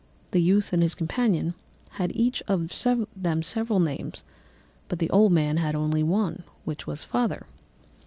The youth and his companion had each of them several names, but the old man had only one, which was _father.